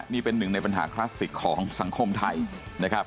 นี่เป็นหนึ่งในปัญหาคลาสสิกของสังคมไทยนะครับ